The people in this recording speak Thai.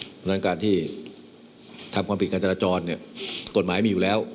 เพราะฉะนั้นการที่ทำความผิดการจราจรเนี่ยกฎหมายมีอยู่แล้ว